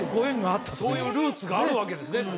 そういうルーツがあるわけですね